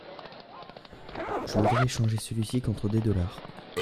Je voudrais échanger celui-ci contre des dollars.